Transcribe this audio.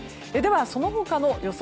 その他の予想